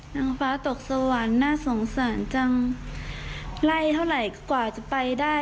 นางฟ้าตกสวรรค์น่าสงสารจังไล่เท่าไหร่กว่าจะไปได้